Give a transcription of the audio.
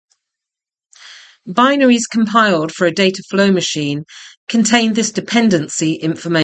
Binaries compiled for a dataflow machine contain this dependency information.